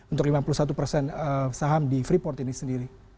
untuk lima puluh satu persen saham di freeport ini sendiri